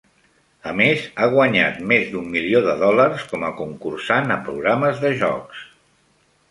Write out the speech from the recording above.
A més, ha guanyat més d'un milió de dòlars com a concursant a programes de jocs.